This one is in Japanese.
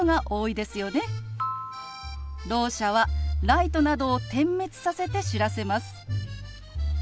ろう者はライトなどを点滅させて知らせます。